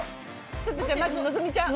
ちょっとじゃあまず希ちゃん。